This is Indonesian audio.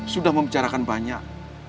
sudah membicarakan banyak